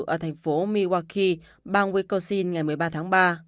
ở thành phố milwaukee bang wisconsin ngày một mươi ba tháng ba